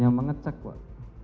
yang mengecek pak